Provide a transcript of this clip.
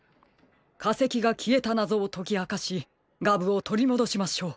かせきがきえたなぞをときあかしガブをとりもどしましょう。